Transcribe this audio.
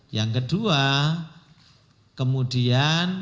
yang kedua kemudian